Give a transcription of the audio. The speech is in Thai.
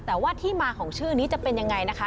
แต่ว่าที่มาของชื่อนี้จะเป็นยังไงนะคะ